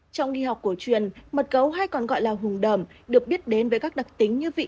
trong y học cổ truyền mật cấu hay còn gọi là hùng đờm được biết đến với các đặc tính như vị